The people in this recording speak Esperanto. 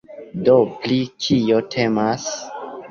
Do pri kio temas?